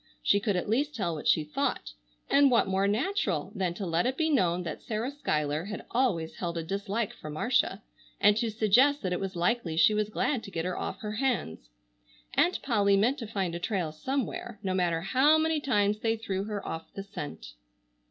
She could at least tell what she thought. And what more natural than to let it be known that Sarah Schuyler had always held a dislike for Marcia, and to suggest that it was likely she was glad to get her off her hands. Aunt Polly meant to find a trail somewhere, no matter how many times they threw her off the scent.